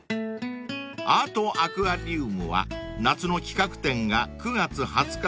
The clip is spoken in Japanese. ［アートアクアリウムは夏の企画展が９月２０日まで開催］